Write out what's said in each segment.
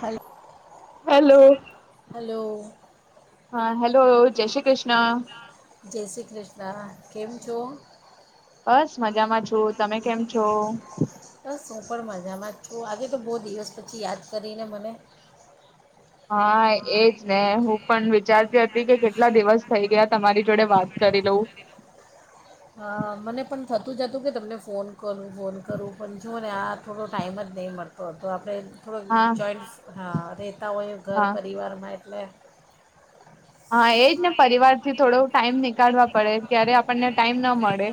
હલ hello hello હા hello જય શ્રી કૃષ્ણ. જય શ્રી કૃષ્ણ કેમ છો. બસ મજામાં છું તમે કેમ છો. બસ હું પણ મજામાં છું આજે તો બહુ દિવસ પછી યાદ કરીને મને. હા એજ ને હું પણ વિચારતી હતી કે કેટલા દિવસ થઇ ગયા તમારી જોડે વાત કરી લઉં. હા મને પણ થતું જતું કે તમને ફોન કરું ફોન કરવું પણ જુઓ ને આ થોડો ટાઈમ જ નહીં મળતો હતો આપણે થોડોક હા જોઈન્ટ હા રહેતા હોય ઘર હા પરિવારમાં એટલે હા એજ ને પરિવાર થી થોડો ટાઈમ નીકળવા પડે ક્યારે આપણને ટાઈમ મળ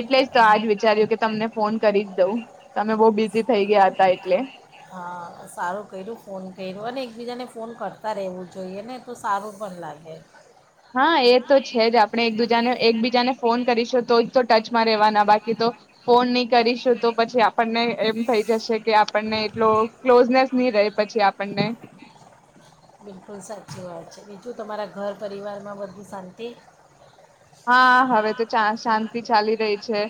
એટલે જ તો આજ વિચાર્યું કે તમને ફોન કરી જ દઉં તમે બહ બિઝ થઈ ગયા હતા એટલે હા સારું કર્યું ફોન કર્યું અને એકબીજાને ફોન કરતા રહેવું જોઈએ ને તો સારું પણ લાગે. હા એ તો છે જ આપણે એક દીજાને એકબીજાને ફોન કરીશું તો તો ટચમાં રેવાના બાકી તો ફોન નહી કરીશું તો પછી આપણને એમ થઈ જશે કે આપણને એટલો ક્લોઝનેસ નહી રહે પછી આપણને બિલકુલ સાચી વાત છે. બીજું તમારા ઘર પરિવારમાં બધી શાંતિ હા હવે તો શાંતિ ચાલી રહી છે.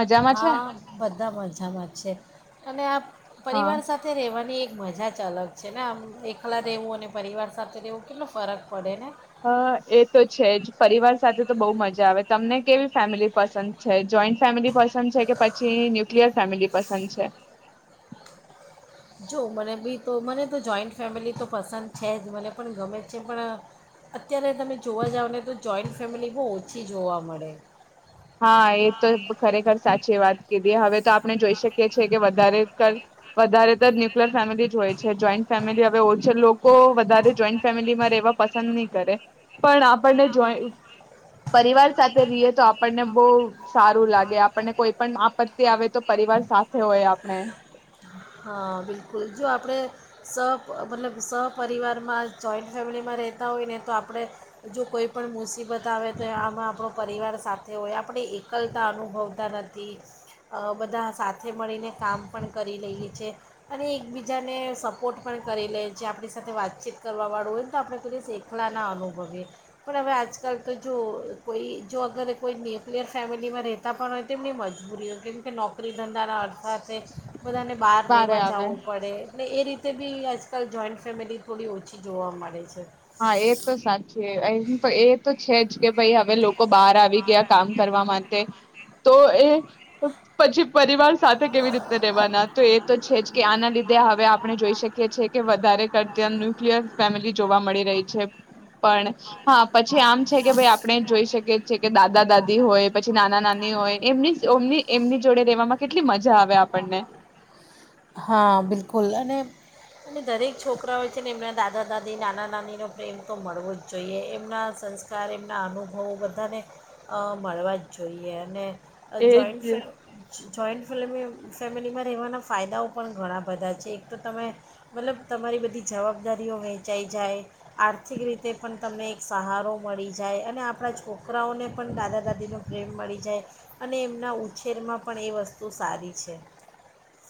મજામાં છે હા બધા મજામાં છે અને આ હા પરિવાર સાથે રહેવાની એક મજા જ અલગ છે ને આમ એકલા રહેવું અને પરિવાર સાથે રહેવું કેટલો ફરક પડે ને હા એ તો છે જ પરિવાર સાથે તો બહુ મજા આવે તમને કેવી ફેમિલી પસંદ છે? જોઈન્ટ ફેમિલી પસંદ છે? કે પછી ન્યુક્લિયર ફેમિલી પસંદ છે? જો મને બી તો મને તો જોઈન્ટ ફેમિલી તો પસંદ છે જ મને પણ ગમે છે પણ અત્યારે તમે જોવા જાવને તો જોઈન્ટ ફેમિલી બહુ ઓછી જોવા મળે. હા એ તો ખરેખર સાચી વાત દએ હવે તો આપણે જોઈ શકીએ છીએ કે વધારે વધારે ન્યુક્લિયર ફેમિલી જ હોય છે જોઈન્ટ ફેમિલી હવે ઓછ લોકો વધારે જોઈન્ટ ફેમિલીમાં રહેેવા પસંદ નહી કરે પણ આપણને જો પરિવાર સાથે રહીએ તો આપણને બહુ સારું લાગે આપણને કોઈ પણ આપત્તિ આવે તો પરિવાર સાથે હોય આપણે હા બિલકુલ જો આપણે સ મતલબ સપરિવારમાં જોઈન્ટ ફેમિલીમાં રહેતા હોય ને તો આપણે જો કોઈ પણ મુસીબત આવે તો આમાં આપણો પરિવાર સાથે હોય આપણે એકલતા અનુભવતા નથી બધા સાથે મળીને કામ પણ કરી લઈએ. છે અને એકબીજાને સપોર્ટ પણ કરી લે છે આપણી સાથે વાતચીત કરવા વાળું હોય ને તો આપણે કોઈ શેખલાના અનુભવીએ પણ હવે આજકાલ તો જો કોઈ જો અગર કોઈ ન્યુક્લિયર ફેમિલીમાં રહેતા પણ હોય તેમની મજબૂરી હોય કેમ કે નોકરી ધંધાના અર્થારથે બધાને બા વારે રહેવા આવે જવું પડે અનેટ એ રીતે બી આજકાલ જોઈન્ટ ફેમિલી થોડી ઓછી જોવા મળે છે. હા એ તો સાચી તો એ તો છે જ કે ભાઈ હવે લોકો બહાર આવી ગયા કામ કરવા માટે તો એ પછી પરિવાર સાથે કેવી રીતના રેવાના તો એ તો છે જ કે આના લીધે હવે આપણે જોઈ શકીએ છીએ કે વધારે કરતાં ન્યુક્લિયર ફેમિલી જોવા મળે છે, પણ હા પછી આમ છે કે ભાઈ આપણે જોઈ શકીએ છીએ કે દાદા-દાદી હોય પછી નાના-નાની હોય એમનીમની એમની જોડે રેવામાં કેટલી મજા મજા આવે આપણને. હા બિલકુલ અને અને દરેક છોકરાઓય છે ને એમના દાદા-દાદી નાના-નાનીનો પ્રેમ તો મળવો જ જોઈએ, એમના સંસ્કાર એમના અનુભવો બધાને, મળવા જ જોઈએ, અને એ જોઈન્ટ જ ફે જોઈન્ટ ફિલ્મ ફેમિલીમાં રહેવાના ફાયદાઓ પણ ઘણા બધા છે, એક તો તમે મતલબ, તમારી બધી જવાબદારીઓ વહેંચાઈ જાય, આર્થિક રીતે પણ તમને એક સહારો મળી જાય, અને આપણા છોકરાઓને પણ દાદા-દાદીનો પ્રેમ મળી જાય, અને એમના ઉછેરમાં પણ એ વસ્તુ સારી છે.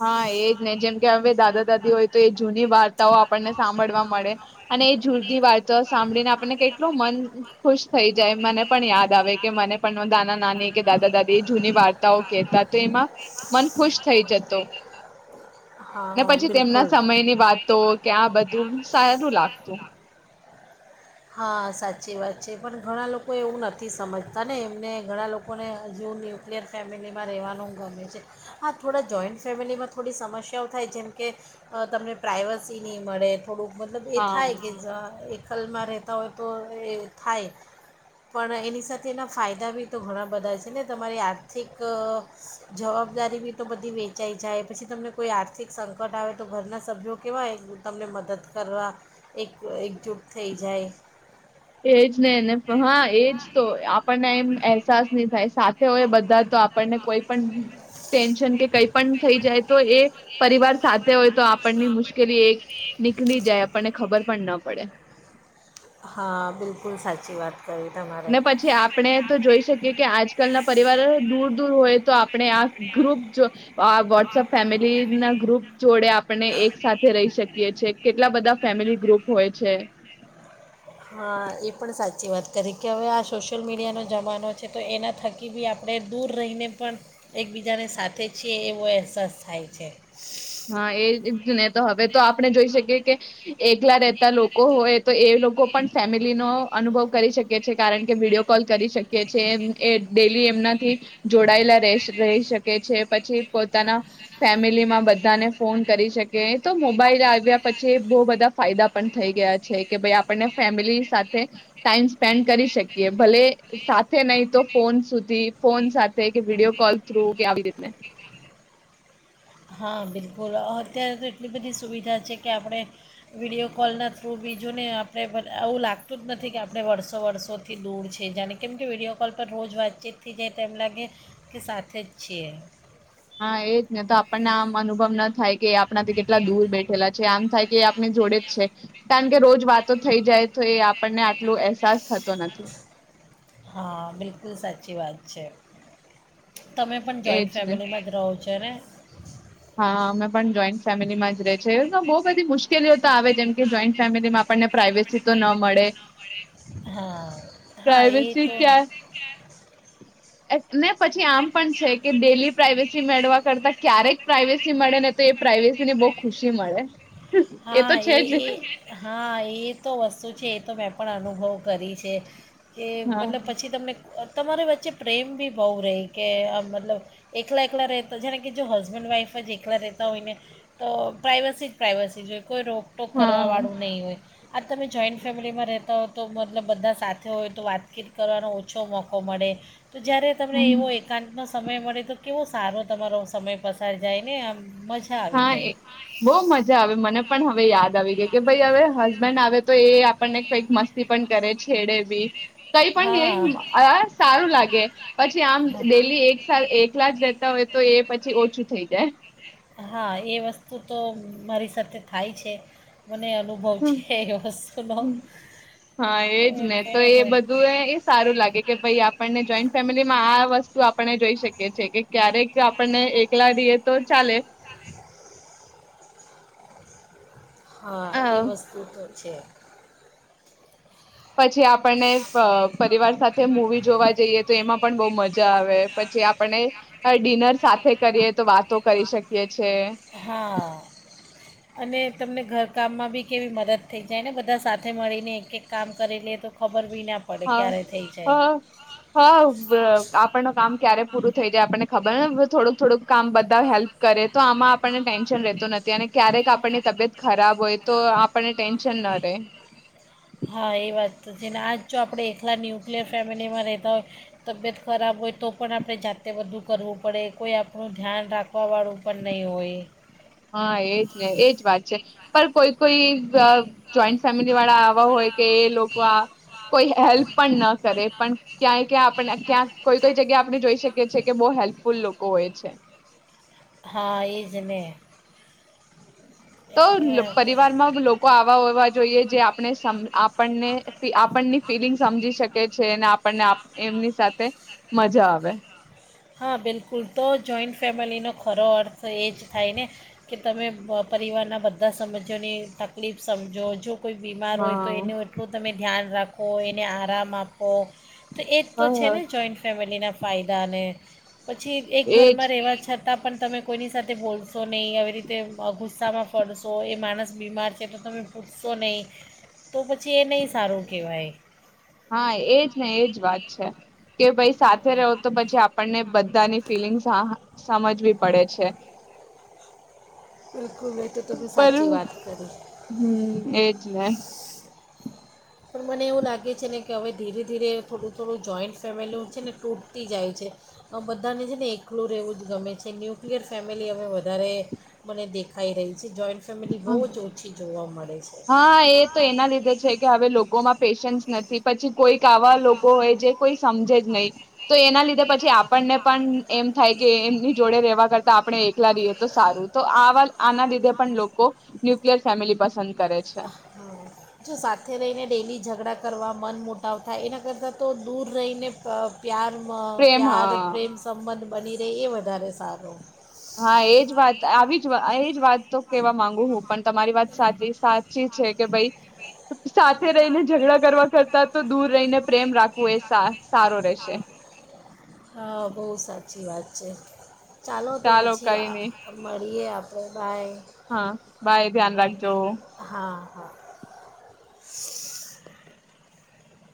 હા એજ ને જેમ કે હવે દા હોય તો એ જૂની વાર્તાઓ આપણને સાંભળવા મળે, અને એ જૂની વાર્તાઓ સાંભળીને આપણને કેટલું મન ખુશ થઈ જાય મને. પણ યાદ આવે કે મને પણ નાના નાની કે દાદા દાદી એ જૂની વાર્તાઓ કેહેતા તો એમાં, મન ખુશ થઈ જત ને હા પછી બિલકુલ તેમના સમયની વાતો કે આ બધું સારું લાગતું. તો હા સાચી વાત છે, પણ ઘણા લોકો એવું નથી સમજતા ને એમને ઘણા લોકોને હજી ન્યુક્લિયર ફેમિલીમાં રહેવાનું ગમે છે, હા થોડા જોઈન્ટ ફેમિલીમાં થોડી સમસ્યાઓ થાય જેમ, કે તમને પ્રઇવસી નહીં મળે. થોડુંક મતલબ થાય હા કે કાલ મારે. હોય તો એ થાય પણ એની સાથે એના ફાયદા બી તો ઘણા બધા છે ને તમારી આર્થિક જવાબદારી બી તો બધી વેચાઈ જાય પછી તમને કોઈ આર્થિક સંકટ આવે તો ઘરના સભ્યો કેહેવાય તમને મદદ કરવા એક એકજૂટ થઈ જાય. એજ નેને હા એજ તો આપણને એમ અહેસાસ નહી થાય સાથે હોય બધા તો આપણને કોઈ પણ ટેન્શન કે કઈ પણ થઈ જાય તો એ પરિવાર સાથે હોય તો આપણની મુશ્કેલી એ નીકળી જાય આપણને ખબર પણ ન પડે. પડે. હા બિલકુલ સાચી વાત. કરી તમારે ને પછી આપણે તો જોઈ શકીએ કે આજકાલના. પરિવાર દૂર દૂર હોય તો આપ આપણે આ ગ્રુપ વોટ્સપ ફેમિલીના ગ્રુપ જોડે આપણે એક સાથે રહી શકીએી કેટલા બધા ફેમિલી ગ્રુપ હોય છે. હા એ પણ સાચી વાત કરી કે હવે આ સોશિયલ મીડિયાનો જમાનો છે તો એના થકી બી આપણે દૂર રહીને પણ એકબીજાને સાથે છીએ એવો અહેસાસ થાય છે. હા એ જ ને હવે તો આપણે જોઈ શકીએ કે એકલા રહેતા લોકો હોય તો એ લોકો પણ ફેમિલીનો અનુભવ કરી શકે છે કારણ કે વિડીિયો કોલ કરી શકીએ છીએ. એ ડેલી એમનાથી જોડાયેલા રહી શકે છે પછી પોતાના ફેમિલીમાં. બધાને ફોન કરી શકે તો મોબાઈલ આવ્યા પછી બહુ બધા ફાયદા પણ થઈ ગયા છે કે ભાઈ આપને ફેમિલી સાથે ટાઈમ સ્પેન્ડ કરી શકીએ. ભલે સાથે નહી તો ફોન સુધી ફોન સાથે કે વિડીયો કોલ થ્રુવ કે આવી રીતે. હા બિલકુલ અત્યારે તો એટલી બધી સુવિધા છે કે આપણે વિડિયો કોલના થ્રુવ બીજુંને આપણે આવું લાગતું જ નથી કે આપણે વર્ષો વર્ષોથી દૂર છે જાણે કેમ કે વિડીિયો કોલ પર રોજ વાતચીત થઈ જાય તેમ લાગે કે સાથે જ છીએ. હા એજ ને તો આપણને આમ અનુભવ ના થાય. કે આપણાથી કેટલા દૂર બેઠેલા છે આમ થાય કે આપને જોડે જ છે. કારણ કે રોજ વાતો થઈ જાય તો એ આપણને આટલો અહેસાસ થતો નથી. હા બિલકુલ સાચી વાત છે. તમે પણ એજ જોઈન્ટ ને ફેમિલીમાં જ રહો છો. [inaudible] હા અમે પણ જોઈન્ટ ફેમિલીમાં જ ર છે એ તો બ બધી મુશ્કેલીઓ તો આવે જેમકે જોઈન્ટ ફેમિલીમાં આપણને પ્રાઇવેસી તો ન મળે. હા હા એ પ્રાઇવેસી તો. ને પછી આમ પણ છે કે ડેલી પ્રાઈવેસી મેળવા કરતા ક્યારેક પ્રાઈવેસી મળે ને તો એ પ્રઇવેસી ને બહુ ખુશી મળે. હા તો છે જ એ હા એ તો વસ્તુ છે એ તો મે પણ અનુભવ કરી છે કે હા મતનલબ પછી તમને તમારી વચ્ચે પ્રેમ બી બહુ રહે કે આ મતલબ એકલા એકલા રહેતા જેણે કે જો હસબન્ડ વાઇફ જ એકલા રહેતા હોય ને તો પ્રાઇવસી જ પ્રાઇવસી [unintelligible] કોઈ રોકટોક હા કરવા વાળું નહીં હોય. આ તમે જોઈન્ટ ફેમિલીમાં રહેતા હો તો મતલબ બધા સાથે હોય તો વાતચીત કરવાનો ઓછો મોકો મળે. તો જયારે તમને હમ એવો એકાંત નો સમય મળે તો કેવો સારો તમારો સમય પસાર જાય ને આમ મજા આવી હા જાય એ‌બો મજા આવે મને પણ હવે યાદ આવી ગઈ કે ભઈ હવે હસબેન્ડ આવે તો એ આપણને કઈક મસ્તી પણ કરે છેડે બી કઈ પણ હા ન સારું લાગે પછી આમ ડેલી એક એકલા જ રહેતા હોય તો એ પછી ઓછું થઈ જાય. હા એ વસ્તુ તો મારી સાથે થાય છે. મને અનુભવ છે એ વસ્તુનો હા એ જ ને તો એ સારું લાગે કે ભાઈ આપણને જોઈન્ટ ફેમિલી માં આ વસ્તુ આપણે જોઈ શકીએ છીએ કે ક્યારેક આપણને એકલા રહીએ તો ચાલે હા અ એ વસ્તુ તો છે. પછી આપણને પા પરિવાર સાથે મુવી જોવા જઈએ તો એમાં પણ બો મજા આવે પછી આપણે ડિનર સાથે કરીએ તો વાતો કરી શકીએ છે હા કામ મા બી કેવી મદદ થઈ જાય ને બધા સાથે મળીને એક કામ કરી લે તો ખબર બી ના પડે હા ક્યારે થઈ જાય હા હા આપણ ન કામ ક્યારે પૂરું થઈ જાય આપણને ખબર ને થોડુંક થોડુંકામ બધા હેલ્પ કરે તો આમાં આપણને ટેન્શન રહેતું નથી અને ક્યારેક આપણને તબિયત ખરાબ હોય તો આપને ટેન શન ના રે હા એ વાત તો છે ને આજ જો આપણે એકલા ન્યુક્લિયર ફેમિલીમાં રહેતા હોય તબિયત ખરાબ હોય તો પણ આપણે જાતે બધું કરવું પડે કોઈ આપણું ધ્યાન રાખવાવાળું પણ નહીં હોય. હા એજ ને એજ વાત છે પણ કોઈ કોઈ જોઈન્ટ ફેમિલી વાળા આવા હોય કે એ લોકો આ કોઈ હેલ્ હેલ્પ પણ ના કરે પણ ક્યાંય ક્યાં આપને ક્યાં કોઈ કોઈ જગ્યા આપણે જોઈ શકીએ છીએ કે બો હેલ્પફુલ લોકો હોય છે. હા એ જ ને. તો એટલે પરિવારમાં લોકો આવા હોવા જોઈએ જે આપણે આપણને આપણની ફિલિંગ સમજી શકે છે. ને આપ આપણને એમની સાથે મજા આવે. હા બિલકુલ તો જોઈન્ટ ફેમિલીનો ખોરો અર્થ એ જ થાય ને કે તમે પરિવારના બધા સમજ્યોની તકલીફ સમજો જો કોઈ બીમાર હોય તો હા એનું એટલું તમે ધ્યાન રાખ ખો એને આરામ આપ પો તો એ જ તો છે હ ને જોઈન્ટ ફેમિલીના ફાયદાને પછી એક એજ ઘરમાં રહેવા છત છતાં પણ તમે કોઈની સાથે બોલશો નહીં આવી રીતે ગુસ્સામાં ફરશો એ માણસ બીમાર છે. એ તો તમે પૂછશો નહીં તો પછી એ નહીં સારું કહેવાય. હા એજ ને એજ વાત છે. કે ભાઈ સાથે રહ્યા તો પછી આપણને બધાની ફિલિંગસ સહ સમજવી પડે છે. [unintelligible] તમે પર સાચી વાત કરી હામ એજ ને. પણ મને એવું લાગે છે ને કે હવે ધીરે ધીરે થોડું થોડું જોઈન્ટ ફેમિલી છે ને તૂટતી જાય છે આ બધાને છે ને એકલું રહેવું જ ગમે છે ન્યુક્લિયર ફેમિલી હવે વધારે મને દેખાઈ રહી પછી જોઈન્ટ ફેમિલી બહુ જ ઓછી જોવા મળે. છે હા એ તો એના લીધે છે કે હવે લોકોમાં પેશન્સ નથી પછી કોઈ કે આવા લોકો હોય જે કોઈ સમજે જ નહીં. તો એના લીધે પછી આપ પરણે પણ એમ થાય કે એમની જોડે રેવા કરતા આપણે એકલા રિહે તો સારું. તો આવા આના લીધે પણ લોકો ન્યુક્લિયર ફેમિલી પસંદ કરે છે જો સાથે રહીને ડેલી ઝ ગડાં કરવા મન મોટાવ થાય એના કરતાં તો દૂર રહીને પ અહ પ્યારમ પ્રેમ પ્યાર હા પ્રેમ સંબંધ બની રે એ વધારે સારું. હા, એજ વાત આવી જ વા એજ વાત તો કેવા માંગુ હું. પણ તમારી વાત સાચી સાચી છે કે ભઈ સાથે રહીને ઝઘડા કરવા કરતા તો દૂર રહીને પ્રેમ રાખવું એ સા સારો રહેશે. હા બહુ સાર ચી વાત છે. ચાલો તો પછી કઈ આ નહી અમ રીએ આપણે બાય હા બાય ધ્યાન રાખજો. હા હા. [unintelligible]